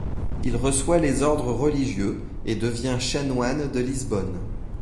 Il reçoit les ordres religieux, et devient chanoine de Lisbonne.